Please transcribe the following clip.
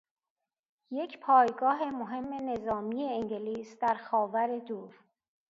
یک پایگاه مهم نظامی انگلیس در خاور دور